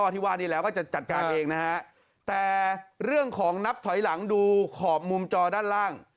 ที่ว่านี่แล้วก็จะจัดการเองนะฮะแต่เรื่องของนับถอยหลังดูขอบมุมจอด้านล่าง